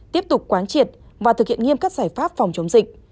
tiếp tục quán triệt và thực hiện nghiêm các giải pháp phòng chống dịch